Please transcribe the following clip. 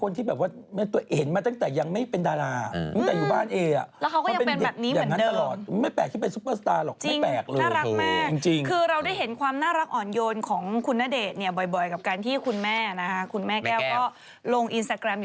แล้วผู้ชายอยู่เต็มไปหมดเลยนะในหลักวิดีโอในช่วงเออ